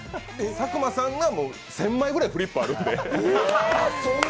佐久間さんが１０００枚ぐらいフリップあるんで。